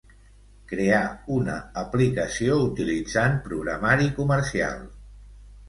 Crear una aplicació utilitzant programari comercial.